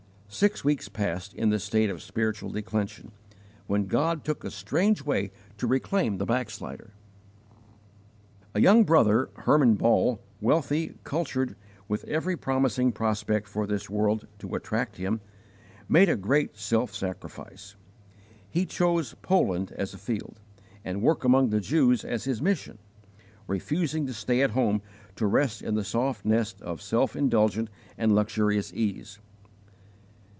Six weeks passed in this state of spiritual declension, when God took a strange way to reclaim the backslider. A young brother, Hermann Ball, wealthy, cultured, with every promising prospect for this world to attract him, made a great self sacrifice. He chose Poland as a field, and work among the Jews as his mission, refusing to stay at home to rest in the soft nest of self indulgent and luxurious ease.